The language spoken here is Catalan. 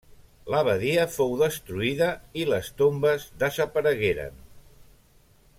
L'abadia fou destruïda al i les tombes desaparegueren.